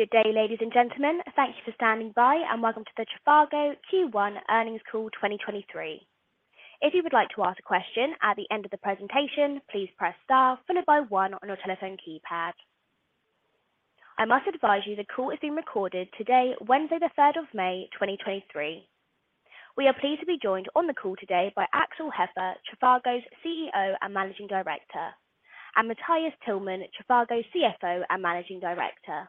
Good day, ladies and gentlemen. Thank you for standing by. Welcome to the trivago Q1 earnings call 2023. If you would like to ask a question at the end of the presentation, please press star followed by 1 on your telephone keypad. I must advise you this call is being recorded today, Wednesday, the 3rd of May, 2023. We are pleased to be joined on the call today by Axel Hefer, trivago's CEO and Managing Director, and Matthias Tillmann, trivago's CFO and Managing Director.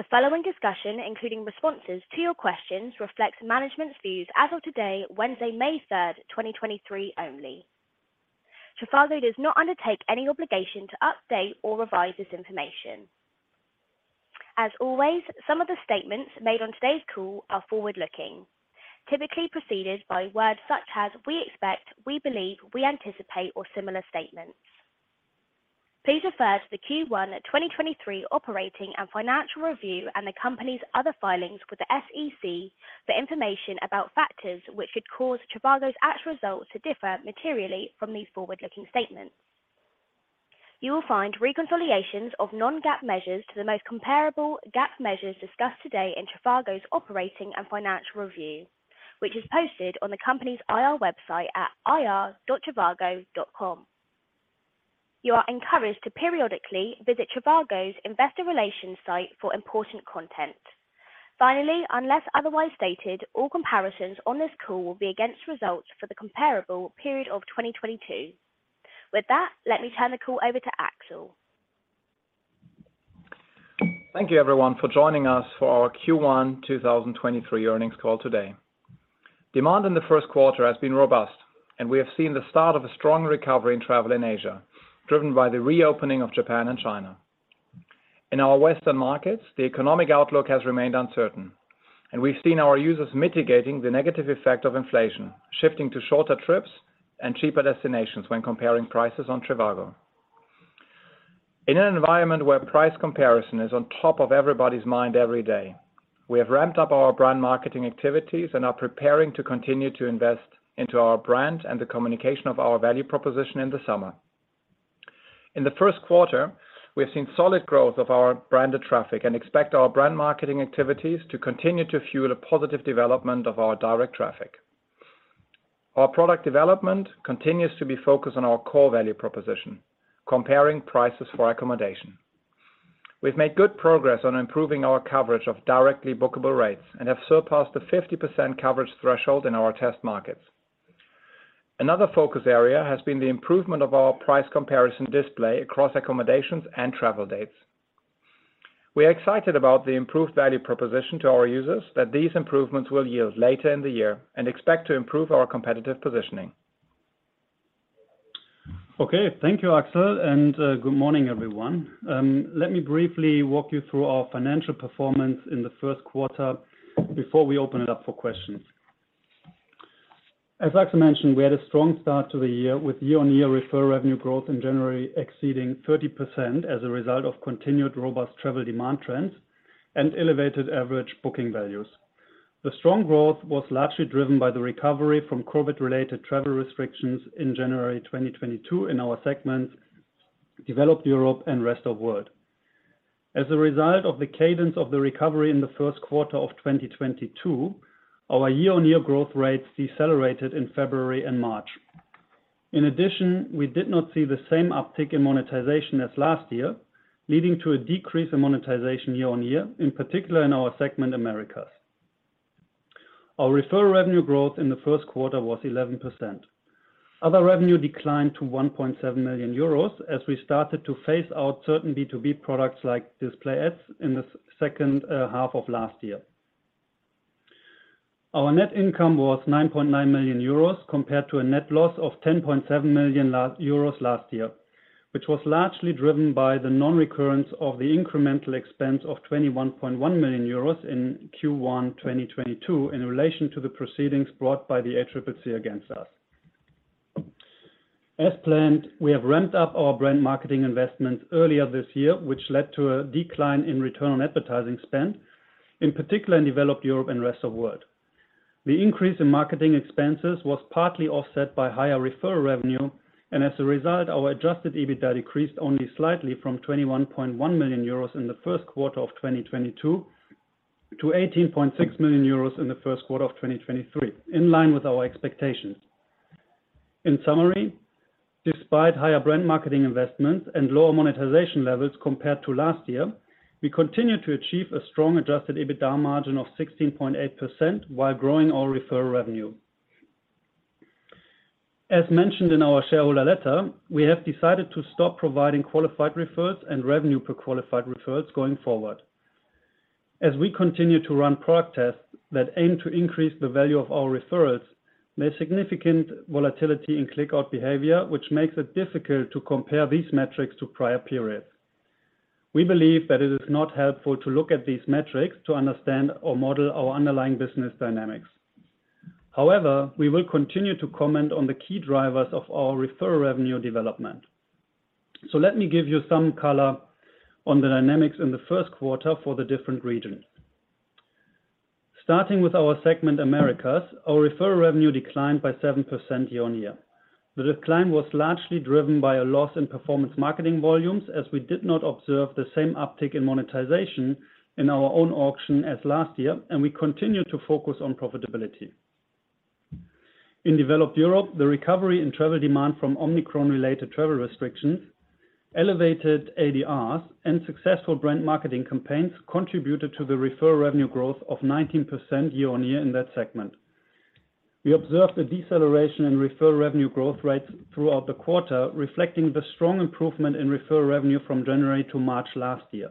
The following discussion, including responses to your questions, reflects management's views as of today, Wednesday, May 3rd, 2023 only. trivago does not undertake any obligation to update or revise this information. As always, some of the statements made on today's call are forward-looking, typically preceded by words such as we expect, we believe, we anticipate, or similar statements. Please refer to the Q1 2023 operating and financial review and the company's other filings with the SEC for information about factors which could cause trivago's actual results to differ materially from these forward-looking statements. You will find reconciliations of non-GAAP measures to the most comparable GAAP measures discussed today in trivago's operating and financial review, which is posted on the company's IR website at ir.trivago.com. You are encouraged to periodically visit trivago's investor relations site for important content. Finally, unless otherwise stated, all comparisons on this call will be against results for the comparable period of 2022. With that, let me turn the call over to Axel. Thank you, everyone, for joining us for our Q1 2023 earnings call today. Demand in the Q1 has been robust, we have seen the start of a strong recovery in travel in Asia, driven by the reopening of Japan and China. In our Western markets, the economic outlook has remained uncertain, and we've seen our users mitigating the negative effect of inflation, shifting to shorter trips and cheaper destinations when comparing prices on trivago. In an environment where price comparison is on top of everybody's mind every day, we have ramped up our brand marketing activities and are preparing to continue to invest into our brand and the communication of our value proposition in the summer. In the Q1, we have seen solid growth of our branded traffic and expect our brand marketing activities to continue to fuel a positive development of our direct traffic. Our product development continues to be focused on our core value proposition, comparing prices for accommodation. We've made good progress on improving our coverage of directly bookable rates and have surpassed the 50% coverage threshold in our test markets. Another focus area has been the improvement of our price comparison display across accommodations and travel dates. We are excited about the improved value proposition to our users that these improvements will yield later in the year and expect to improve our competitive positioning. Okay. Thank you, Axel, good morning, everyone. Let me briefly walk you through our financial performance in the Q1 before we open it up for questions. As Axel mentioned, we had a strong start to the year with year-on-year Referral Revenue growth in January exceeding 30% as a result of continued robust travel demand trends and elevated average booking values. The strong growth was largely driven by the recovery from COVID-related travel restrictions in January 2022 in our segments Developed Europe and Rest of World. As a result of the cadence of the recovery in the Q1 of 2022, our year-on-year growth rates decelerated in February and March. We did not see the same uptick in monetization as last year, leading to a decrease in monetization year-on-year, in particular in our segment, Americas. Our referral revenue growth in the Q1 was 11%. Other revenue declined to 1.7 million euros as we started to phase out certain B2B products like display ads in the second half of last year. Our net income was 9.9 million euros compared to a net loss of 10.7 million euros last year, which was largely driven by the non-recurrence of the incremental expense of 21.1 million euros in Q1 2022 in relation to the proceedings brought by the ACCC against us. As planned, we have ramped up our brand marketing investment earlier this year, which led to a decline in return on advertising spend, in particular in Developed Europe and Rest of World. The increase in marketing expenses was partly offset by higher Referral Revenue. As a result, our Adjusted EBITDA decreased only slightly from 21.1 million euros in the Q1 of 2022 to 18.6 million euros in the Q1 of 2023, in line with our expectations. In summary, despite higher brand marketing investments and lower monetization levels compared to last year, we continued to achieve a strong Adjusted EBITDA margin of 16.8% while growing our Referral Revenue. As mentioned in our shareholder letter, we have decided to stop providing Qualified Referrals and Revenue per Qualified Referral going forward. As we continue to run product tests that aim to increase the value of our referrals, there's significant volatility in click-out behavior, which makes it difficult to compare these metrics to prior periods. We believe that it is not helpful to look at these metrics to understand or model our underlying business dynamics. We will continue to comment on the key drivers of our referral revenue development. Let me give you some color on the dynamics in the Q1for the different regions. Starting with our segment Americas, our referral revenue declined by 7% year-on-year. The decline was largely driven by a loss in performance marketing volumes as we did not observe the same uptick in monetization in our own auction as last year, and we continue to focus on profitability. In developed Europe, the recovery in travel demand from Omicron-related travel restrictions, elevated ADRs, and successful brand marketing campaigns contributed to the referral revenue growth of 19% year-on-year in that segment. We observed a deceleration in referral revenue growth rates throughout the quarter, reflecting the strong improvement in referral revenue from January to March last year.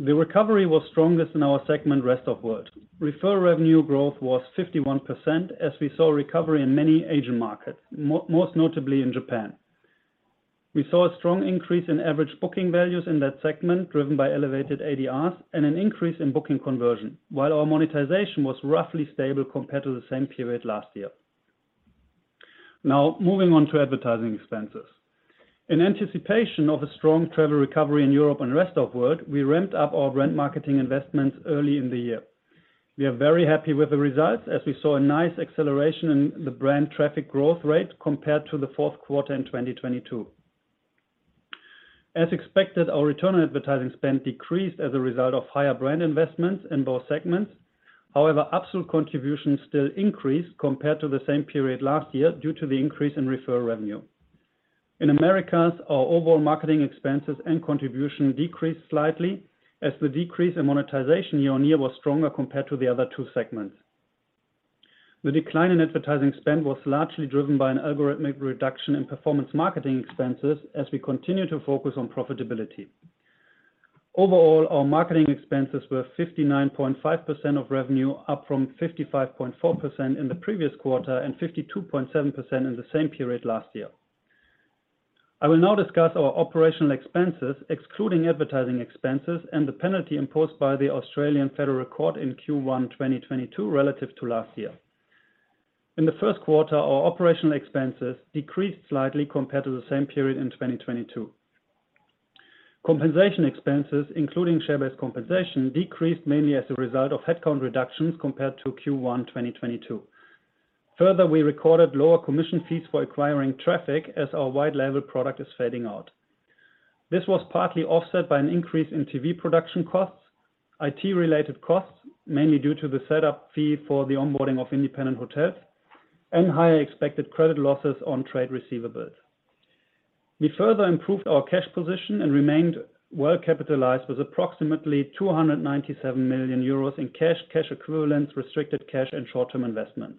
The recovery was strongest in our segment Rest of World. Referral revenue growth was 51% as we saw a recovery in many Asian markets, most notably in Japan. We saw a strong increase in average booking values in that segment driven by elevated ADRs and an increase in booking conversion while our monetization was roughly stable compared to the same period last year. Moving on to advertising expenses. In anticipation of a strong travel recovery in Europe and Rest of World, we ramped up our brand marketing investments early in the year. We are very happy with the results as we saw a nice acceleration in the brand traffic growth rate compared to the Q4 in 2022. As expected, our return on advertising spend decreased as a result of higher brand investments in both segments. Absolute contributions still increased compared to the same period last year due to the increase in Referral Revenue. In Americas, our overall marketing expenses and contribution decreased slightly as the decrease in monetization year-on-year was stronger compared to the other two segments. The decline in advertising spend was largely driven by an algorithmic reduction in performance marketing expenses as we continue to focus on profitability. Overall, our marketing expenses were 59.5% of revenue, up from 55.4% in the previous quarter and 52.7% in the same period last year. I will now discuss our operational expenses, excluding advertising expenses and the penalty imposed by the Australian Federal Court in Q1 2022 relative to last year. In the Q1, our operational expenses decreased slightly compared to the same period in 2022. Compensation expenses, including share-based compensation, decreased mainly as a result of headcount reductions compared to Q1 2022. Further, we recorded lower commission fees for acquiring traffic as our white-label product is fading out. This was partly offset by an increase in TV production costs, IT-related costs, mainly due to the setup fee for the onboarding of independent hotels, and higher expected credit losses on trade receivables. We further improved our cash position and remained well-capitalized with approximately 297 million euros in cash equivalents, restricted cash, and short-term investments.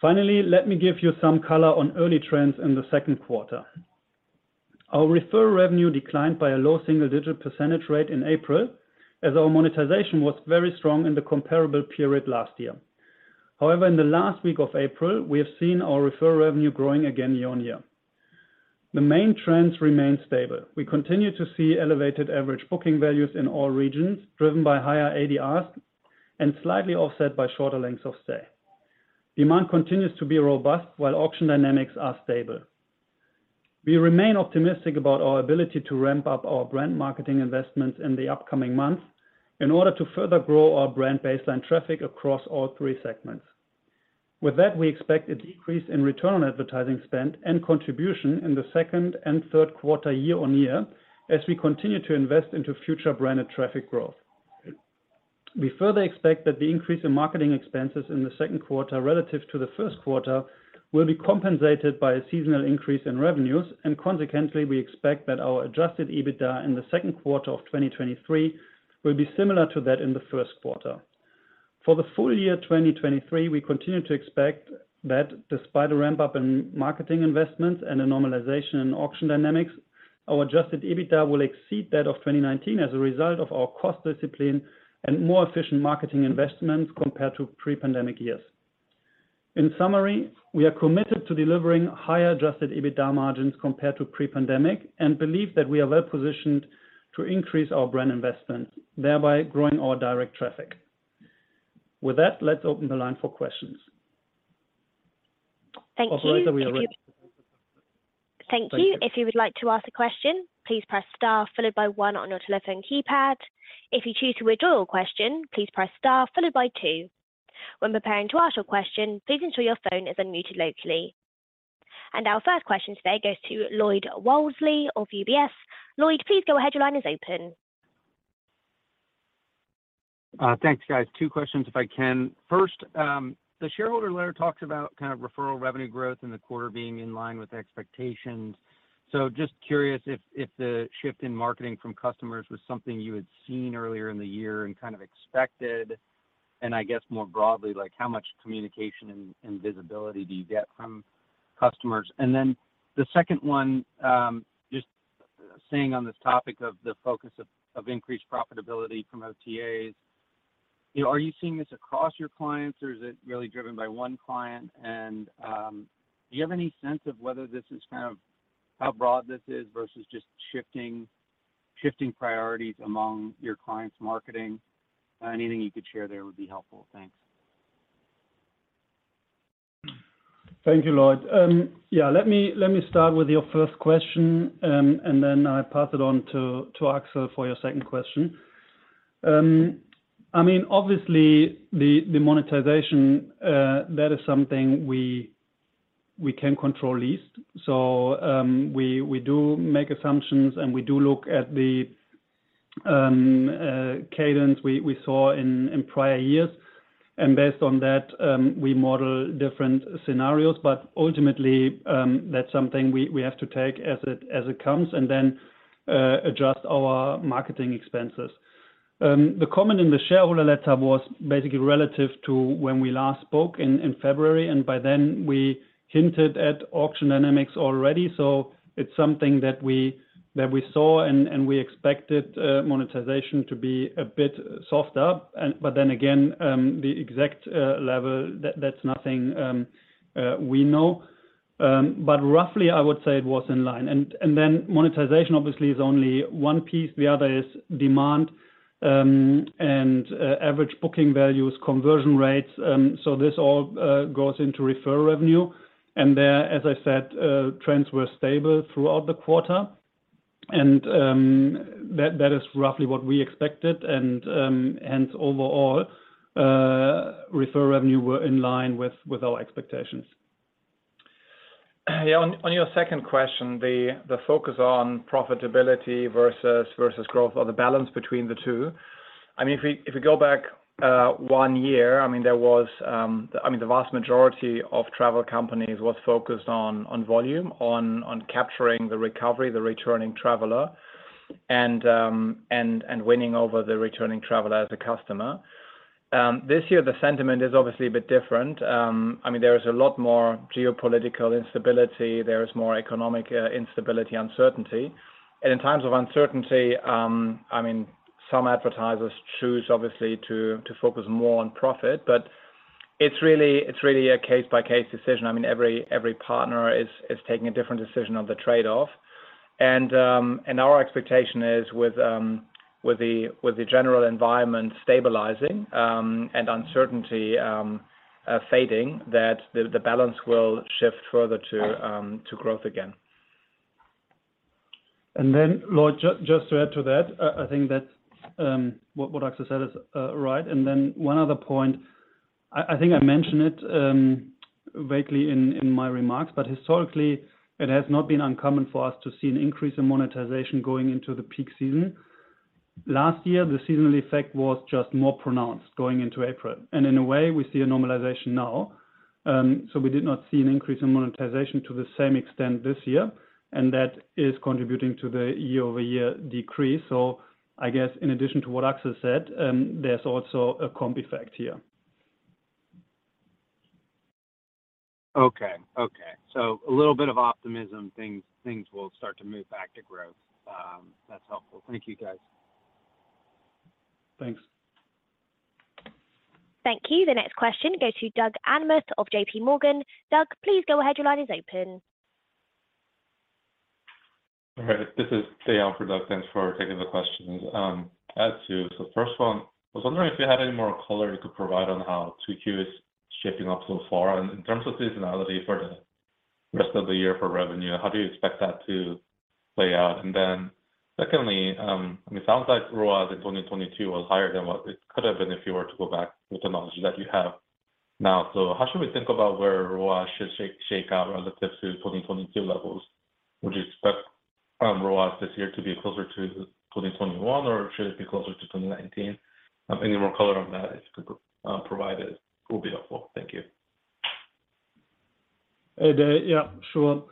Finally, let me give you some color on early trends in the Q2. Our referral revenue declined by a low single-digit % rate in April as our monetization was very strong in the comparable period last year. However, in the last week of April, we have seen our referral revenue growing again year-on-year. The main trends remain stable. We continue to see elevated average booking values in all regions driven by higher ADRs and slightly offset by shorter lengths of stay. Demand continues to be robust while auction dynamics are stable. We remain optimistic about our ability to ramp up our brand marketing investments in the upcoming months in order to further grow our brand baseline traffic across all three segments. With that, we expect a decrease in return on advertising spend and contribution in the Q2 and Q3 year-on-year as we continue to invest into future branded traffic growth. We further expect that the increase in marketing expenses in the Q2 relative to the Q2 will be compensated by a seasonal increase in revenues, and consequently, we expect that our Adjusted EBITDA in the Q2 of 2023 will be similar to that in the Q2. For the full year 2023, we continue to expect that despite a ramp-up in marketing investments and a normalization in auction dynamics, our Adjusted EBITDA will exceed that of 2019 as a result of our cost discipline and more efficient marketing investments compared to pre-pandemic years. In summary, we are committed to delivering higher Adjusted EBITDA margins compared to pre-pandemic and believe that we are well-positioned to increase our brand investments, thereby growing our direct traffic. With that, let's open the line for questions. Thank you. Operator, are we ready? Thank you. If you would like to ask a question, please press star followed by one on your telephone keypad. If you choose to withdraw your question, please press star followed by two. When preparing to ask your question, please ensure your phone is unmuted locally. Our first question today goes to Lloyd Walmsley of UBS. Lloyd, please go ahead. Your line is open. Thanks, guys. Two questions if I can. First, the shareholder letter talks about kind of Referral Revenue growth in the quarter being in line with expectations. Just curious if the shift in marketing from customers was something you had seen earlier in the year and kind of expected, and I guess more broadly, like how much communication and visibility do you get from customers? Then the second one, just staying on this topic of the focus of increased profitability from OTAs, you know, are you seeing this across your clients or is it really driven by one client? Do you have any sense of whether this is kind of how broad this is versus just shifting priorities among your clients' marketing? Anything you could share there would be helpful. Thanks. Thank you, Lloyd. Yeah, let me start with your first question, and then I pass it on to Axel for your second question. I mean, obviously the monetization, that is something we can control least. We do make assumptions, and we do look at the cadence we saw in prior years, and based on that, we model different scenarios. Ultimately, that's something we have to take as it comes and then, adjust our marketing expenses. The comment in the shareholder letter was basically relative to when we last spoke in February, and by then we hinted at auction dynamics already. It's something that we saw and we expected, monetization to be a bit soft up. The exact level that's nothing we know. Roughly, I would say it was in line. Monetization obviously is only one piece. The other is demand, and average booking values, conversion rates, so this all goes into Referral Revenue. There, as I said, trends were stable throughout the quarter, and that is roughly what we expected and overall Referral Revenue were in line with our expectations. Yeah. On your second question, the focus on profitability versus growth or the balance between the two, I mean, if we go back 1 year, I mean, the vast majority of travel companies was focused on volume, on capturing the recovery, the returning traveler, and winning over the returning traveler as a customer. This year the sentiment is obviously a bit different. I mean, there is a lot more geopolitical instability. There is more economic instability, uncertainty. In times of uncertainty, I mean, some advertisers choose obviously to focus more on profit, but it's really a case-by-case decision. I mean, every partner is taking a different decision on the trade-off. Our expectation is with the general environment stabilizing, and uncertainty fading, that the balance will shift further to growth again. Lloyd, just to add to that, I think that, what Axel said is right. 1 other point, I think I mentioned it vaguely in my remarks, but historically it has not been uncommon for us to see an increase in monetization going into the peak season. Last year, the seasonal effect was just more pronounced going into April, and in a way, we see a normalization now. We did not see an increase in monetization to the same extent this year, and that is contributing to the year-over-year decrease. I guess in addition to what Axel said, there's also a comp effect here. Okay. Okay. A little bit of optimism things will start to move back to growth. That's helpful. Thank you, guys. Thanks. Thank you. The next question goes to Doug Anmuth of J.P. Morgan. Doug, please go ahead. Your line is open. All right. This is Stan on for Doug. Thanks for taking the questions. As to the first one, I was wondering if you had any more color you could provide on how 2Q is shaping up so far in terms of seasonality for the rest of the year for revenue. How do you expect that to play out? Secondly, I mean, it sounds like ROAS in 2022 was higher than what it could have been if you were to go back with the knowledge that you have now. How should we think about where ROAS should shake out relative to 2022 levels? Would you expect ROAS this year to be closer to 2021, or should it be closer to 2019? Any more color on that if you could provide it would be helpful. Thank you. Hey, Doug. Yeah, sure.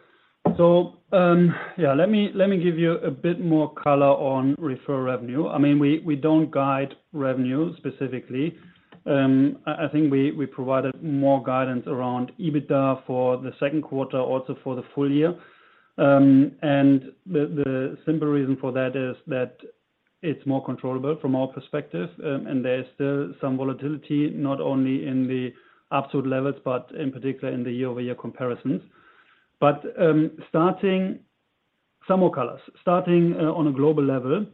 Let me give you a bit more color on Referral Revenue. I mean, we don't guide revenue specifically. I think we provided more guidance around EBITDA for the Q2, also for the full year. The simple reason for that is that it's more controllable from our perspective, and there is still some volatility, not only in the absolute levels but in particular in the year-over-year comparisons. Starting on a global level,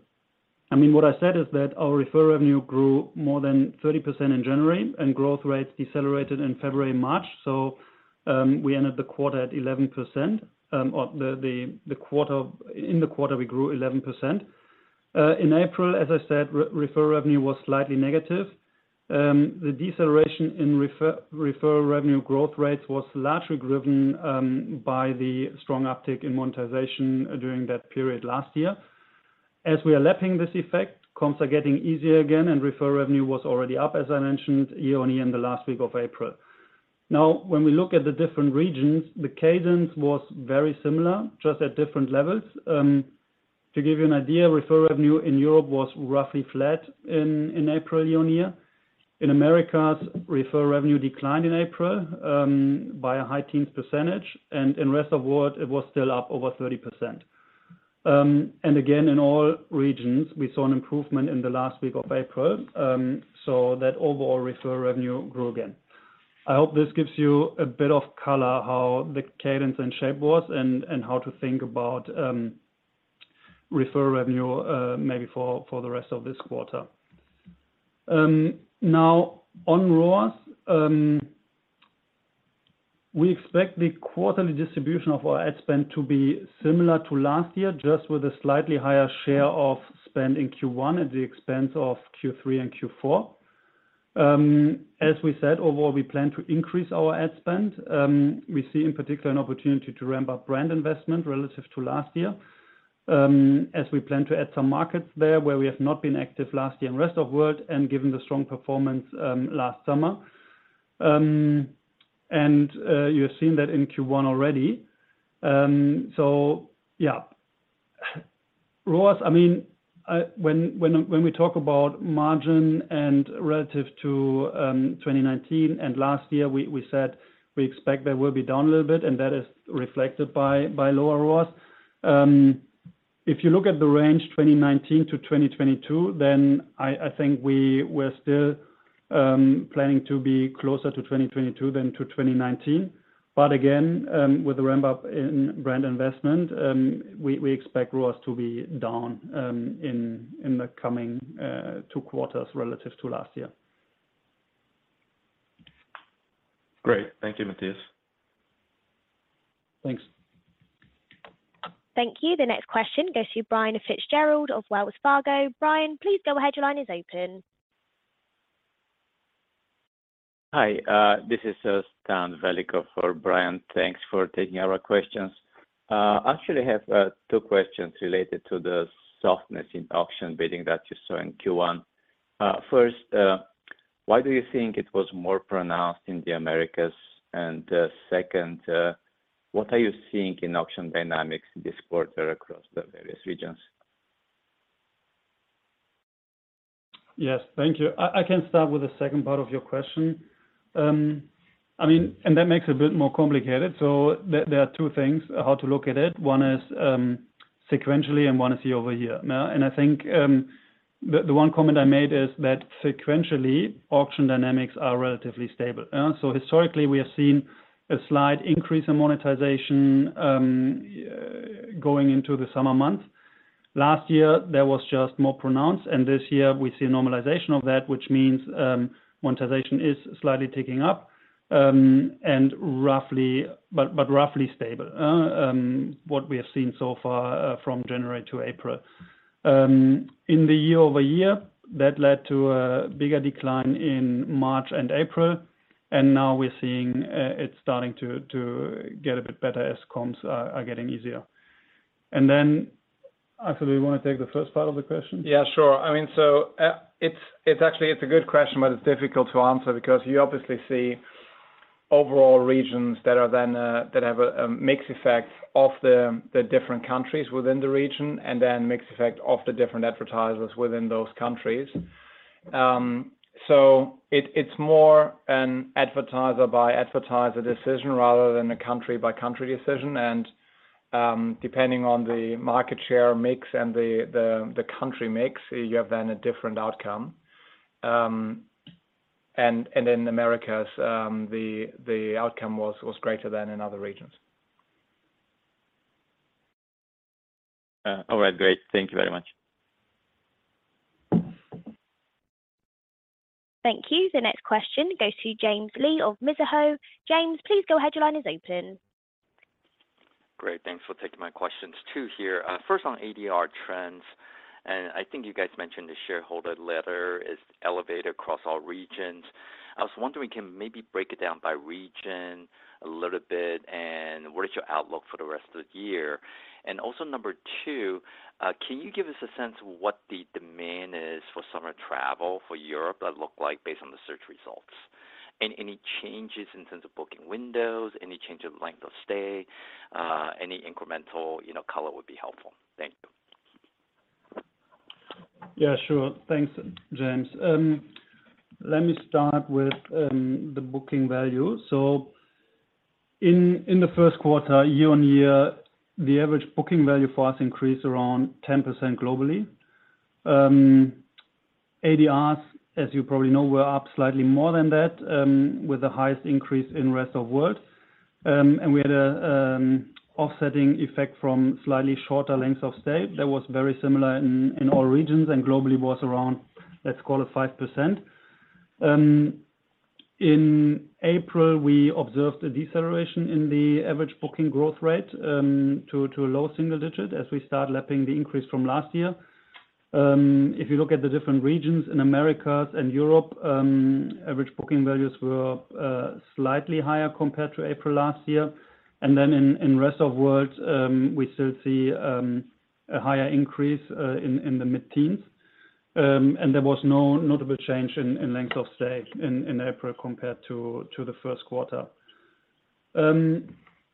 I mean, what I said is that our Referral Revenue grew more than 30% in January, growth rates decelerated in February and March. We ended the quarter at 11%. In the quarter, we grew 11%. In April, as I said, Referral Revenue was slightly negative. The deceleration in Referral Revenue growth rates was largely driven by the strong uptick in monetization during that period last year. As we are lapping this effect, comps are getting easier again, and Referral Revenue was already up, as I mentioned year-on-year in the last week of April. When we look at the different regions, the cadence was very similar, just at different levels. To give you an idea, Referral Revenue in Europe was roughly flat in April year-on-year. In Americas, Referral Revenue declined in April by a high teens %, and in rest of world it was still up over 30%. And again, in all regions we saw an improvement in the last week of April, so that overall Referral Revenue grew again. I hope this gives you a bit of color how the cadence and shape was and how to think about Referral Revenue maybe for the rest of this quarter. Now on ROAS, we expect the quarterly distribution of our ad spend to be similar to last year, just with a slightly higher share of spend in Q1 at the expense of Q3 and Q4. As we said, overall, we plan to increase our ad spend. We see in particular an opportunity to ramp up brand investment relative to last year, as we plan to add some markets there where we have not been active last year in rest of world and given the strong performance last summer. You have seen that in Q1 already. Yeah. ROAS, I mean, when we talk about margin and relative to 2019 and last year, we said we expect that we'll be down a little bit, and that is reflected by lower ROAS. If you look at the range 2019 to 2022, then I think we're still planning to be closer to 2022 than to 2019. Again, with the ramp-up in brand investment, we expect ROAS to be down in the coming Q2 relative to last year. Great. Thank you, Matthias. Thanks. Thank you. The next question goes to Brian Fitzgerald of Wells Fargo. Brian, please go ahead. Your line is open. Hi, this is Stan Velikov for Brian. Thanks for taking our questions. Actually have two questions related to the softness in auction bidding that you saw in Q1. First, why do you think it was more pronounced in the Americas? Second, what are you seeing in auction dynamics this quarter across the various regions? Yes, thank you. I can start with the second part of your question. I mean, that makes it a bit more complicated. There are two things how to look at it. One is sequentially, and one is year-over-year, yeah? I think, the one comment I made is that sequentially, auction dynamics are relatively stable. Historically, we have seen a slight increase in monetization, going into the summer months. Last year, that was just more pronounced, and this year we see a normalization of that, which means, monetization is slightly ticking up, and roughly stable, what we have seen so far, from January to April. In the year-over-year, that led to a bigger decline in March and April, now we're seeing it starting to get a bit better as comps are getting easier. Axel, do you wanna take the first part of the question? Sure. I mean, it's actually a good question, but it's difficult to answer because you obviously see overall regions that are then that have a mix effect of the different countries within the region and then mix effect of the different advertisers within those countries. It's more an advertiser by advertiser decision rather than a country by country decision. Depending on the market share mix and the country mix, you have then a different outcome. And in Americas, the outcome was greater than in other regions. All right. Great. Thank you very much. Thank you. The next question goes to James Lee of Mizuho. James, please go ahead. Your line is open. Great. Thanks for taking my questions too here. First on ADR trends, I think you guys mentioned the shareholder letter is elevated across all regions. I was wondering, can you maybe break it down by region a little bit, and what is your outlook for the rest of the year? Also number two, can you give us a sense of what the demand is for summer travel for Europe that look like based on the search results? Any changes in terms of booking windows, any change of length of stay, any incremental, you know, color would be helpful. Thank you. Yeah, sure. Thanks, James. Let me start with the booking value. In the Q1, year-on-year, the average booking value for us increased around 10% globally. ADRs, as you probably know, were up slightly more than that, with the highest increase in rest of world. We had an offsetting effect from slightly shorter lengths of stay that was very similar in all regions and globally was around, let's call it 5%. In April, we observed a deceleration in the average booking growth rate to a low single-digit as we start lapping the increase from last year. If you look at the different regions in Americas and Europe, average booking values were slightly higher compared to April last year. In, in Rest of World, we still see a higher increase in the mid-teens. There was no notable change in length of stay in April compared to the Q1.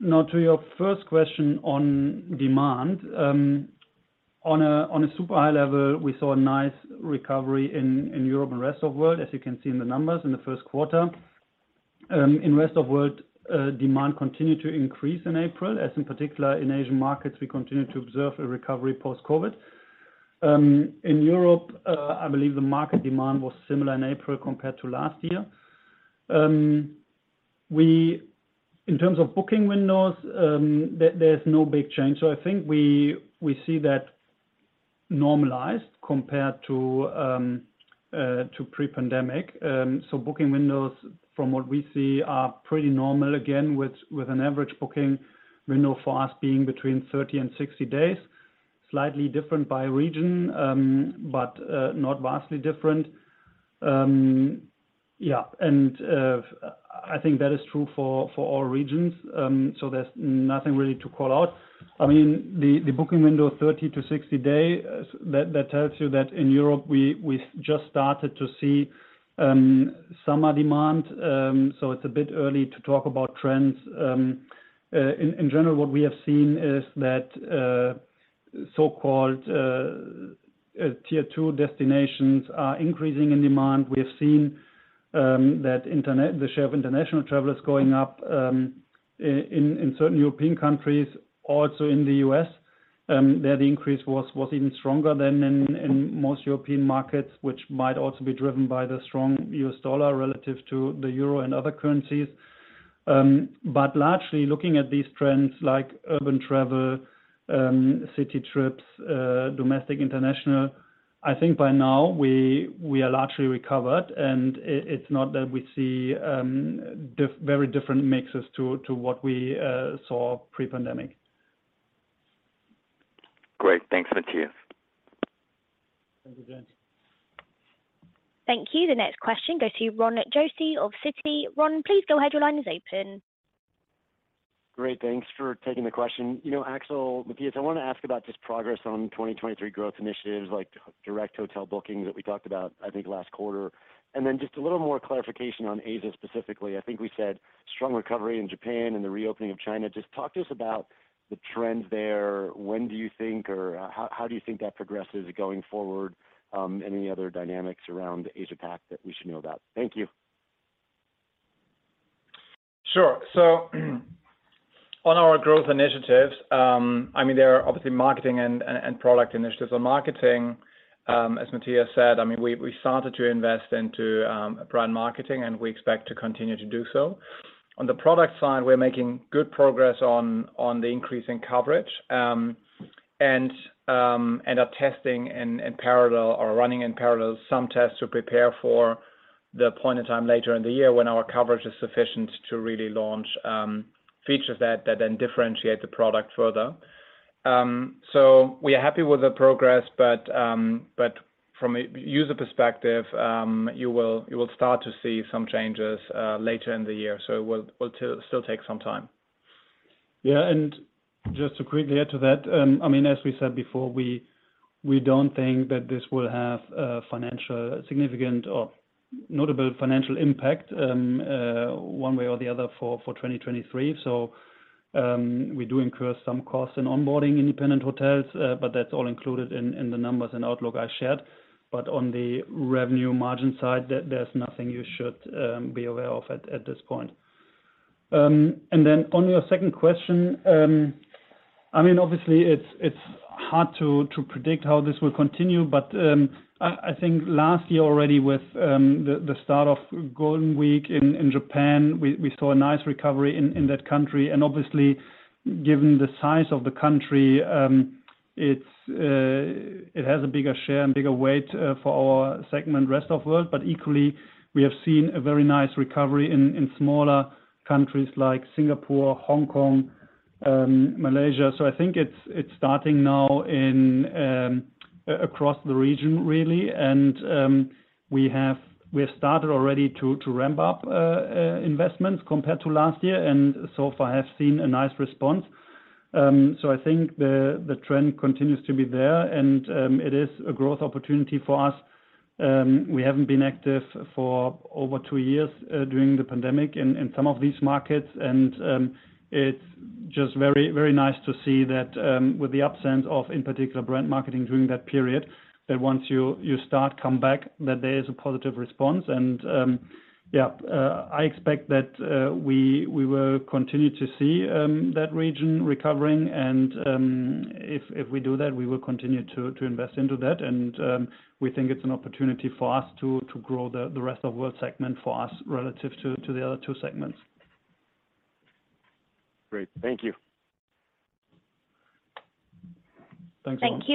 Now to your first question on demand. On a, on a super high level, we saw a nice recovery in Europe and Rest of World, as you can see in the numbers in the Q1. In Rest of World, demand continued to increase in April, as in particular in Asian markets, we continue to observe a recovery post-COVID. In Europe, I believe the market demand was similar in April compared to last year. In terms of booking windows, there's no big change. I think we see that normalized compared to pre-pandemic. Booking windows from what we see are pretty normal again, with an average booking window for us being between 30 and 60 days. Slightly different by region, not vastly different. I think that is true for all regions, there's nothing really to call out. I mean, the booking window of 30 to 60 days, that tells you that in Europe we just started to see summer demand, it's a bit early to talk about trends. In general, what we have seen is that so-called tier 2 destinations are increasing in demand. We have seen that the share of international travelers going up in certain European countries, also in the US. There the increase was even stronger than in most European markets, which might also be driven by the strong U.S. dollar relative to the euro and other currencies. Largely looking at these trends like urban travel, city trips, domestic, international, I think by now we are largely recovered, and it's not that we see very different mixes to what we saw pre-pandemic. Great. Thanks, Matthias. Thank you, James. Thank you. The next question goes to Ron Josey of Citi. Ron, please go ahead. Your line is open. Great. Thanks for taking the question. You know, Axel, Matthias, I wanna ask about just progress on 2023 growth initiatives like direct hotel bookings that we talked about, I think, last quarter. Then just a little more clarification on Asia specifically. I think we said strong recovery in Japan and the reopening of China. Just talk to us about the trends there. When do you think or how do you think that progresses going forward? Any other dynamics around Asia Pac that we should know about? Thank you. Sure. On our growth initiatives, there are obviously marketing and product initiatives. On marketing, as Matthias said, we started to invest into brand marketing, and we expect to continue to do so. On the product side, we're making good progress on the increase in coverage, and are testing in parallel or running in parallel some tests to prepare for the point in time later in the year when our coverage is sufficient to really launch features that then differentiate the product further. We are happy with the progress, but from a user perspective, you will start to see some changes later in the year. It will still take some time. Just to quickly add to that, I mean, as we said before, we don't think that this will have a financial significant or notable financial impact one way or the other for 2023. We do incur some costs in onboarding independent hotels, but that's all included in the numbers and outlook I shared. On the revenue margin side, there's nothing you should be aware of at this point. Then on your second question, I mean, obviously it's hard to predict how this will continue, but I think last year already with the start of Golden Week in Japan, we saw a nice recovery in that country. Obviously, given the size of the country, it has a bigger share and bigger weight for our segment rest of world. Equally, we have seen a very nice recovery in smaller countries like Singapore, Hong Kong, Malaysia. I think it's starting now across the region really. We have started already to ramp up investments compared to last year, and so far have seen a nice response. I think the trend continues to be there and it is a growth opportunity for us. We haven't been active for over two years during the pandemic in some of these markets. It's just very, very nice to see that, with the absence of, in particular, brand marketing during that period, that once you start come back, that there is a positive response. Yeah, I expect that we will continue to see that region recovering. If we do that, we will continue to invest into that. We think it's an opportunity for us to grow the rest of world segment for us relative to the other two segments. Great. Thank you. Thanks, Ron Josey.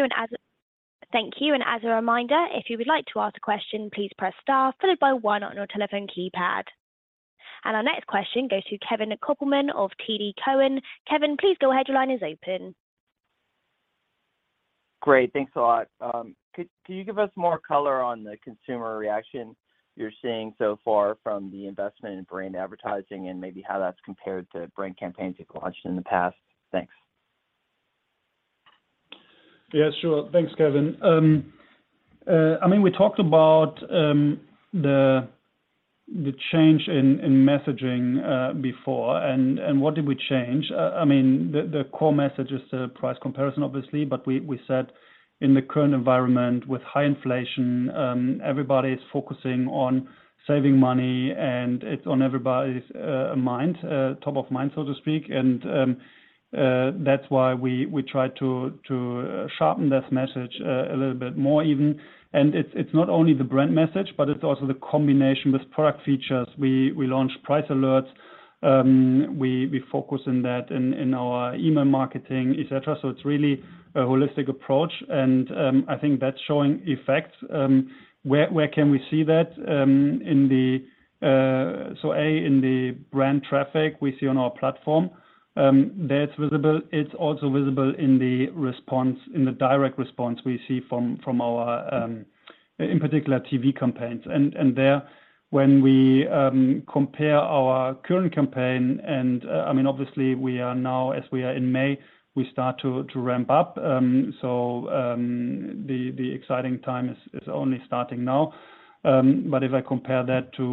Thank you. As a reminder, if you would like to ask a question, please press star followed by 1 on your telephone keypad. Our next question goes to Kevin Kopelman of TD Cowen. Kevin, please go ahead. Your line is open. Great. Thanks a lot. Can you give us more color on the consumer reaction you're seeing so far from the investment in brand advertising and maybe how that's compared to brand campaigns you've launched in the past? Thanks. Yeah, sure. Thanks, Kevin. We talked about the change in messaging before and what did we change. The core message is the price comparison, obviously. We said in the current environment with high inflation, everybody is focusing on saving money, and it's on everybody's mind, top of mind, so to speak. That's why we try to sharpen this message a little bit more even. It's not only the brand message, but it's also the combination with product features. We launched price alerts. We focus on that in our email marketing, et cetera. It's really a holistic approach, and I think that's showing effects. Where can we see that? So A, in the brand traffic we see on our platform, that's visible. It's also visible in the response, in the direct response we see from our in particular TV campaigns. There when we compare our current campaign and, I mean, obviously we are now as we are in May, we start to ramp up. The exciting time is only starting now. If I compare that to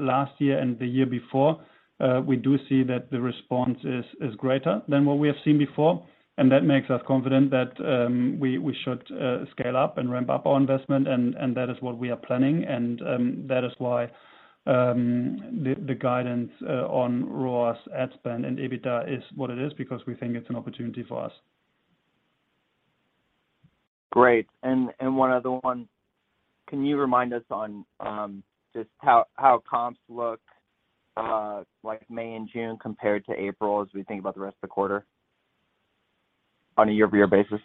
last year and the year before, we do see that the response is greater than what we have seen before. That makes us confident that we should scale up and ramp up our investment, and that is what we are planning. That is why the guidance on ROAS ad spend and EBITDA is what it is because we think it's an opportunity for us. Great. One other one. Can you remind us on, just how comps look like May and June compared to April as we think about the rest of the quarter on a year-over-year basis?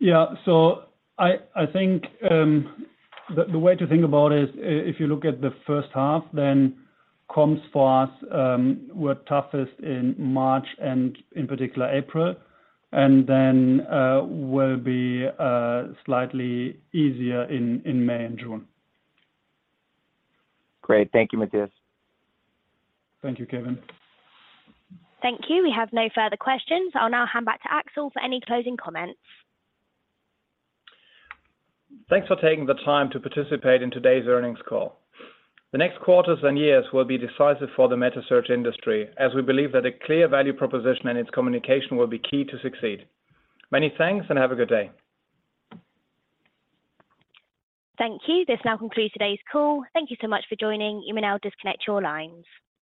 Yeah. I think the way to think about it is if you look at the first half, comps for us were toughest in March and in particular April, will be slightly easier in May and June. Great. Thank you, Matthias. Thank you, Kevin. Thank you. We have no further questions. I'll now hand back to Axel for any closing comments. Thanks for taking the time to participate in today's earnings call. The next quarters and years will be decisive for the metasearch industry, as we believe that a clear value proposition and its communication will be key to succeed. Many thanks and have a good day. Thank you. This now concludes today's call. Thank you so much for joining. You may now disconnect your lines.